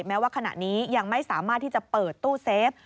แม้ว่าขณะนี้ยังไม่สามารถที่จะเปิดตู้เซฟ